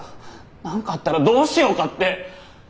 何かあったらどうしようかって。